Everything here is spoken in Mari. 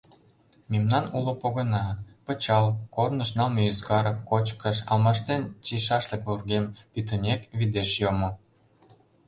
Мемнан уло погына — пычал, корныш налме ӱзгар, кочкыш, алмаштен чийышашлык вургем — пӱтынек вӱдеш йомо.